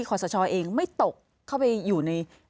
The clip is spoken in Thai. ขอสชเองไม่ตกเข้าไปอยู่ใน